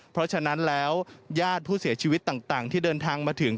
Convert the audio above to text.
เพราะฉะนั้นแล้วญาติผู้เสียชีวิตต่างที่เดินทางมาถึง